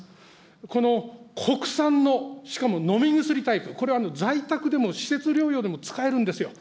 この国産の、しかも飲み薬タイプ、在宅でも施設療養でも使えるんですよ。